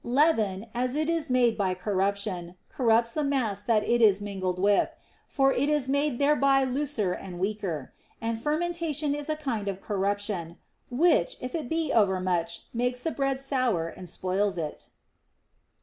Leaven, as it is made by corruption, corrupts the mass that it is mingled with, for it is made thereby looser and weaker ; and fer mentation is a kind of corruption, which, if it be over much, makes the bread sour and spoils it.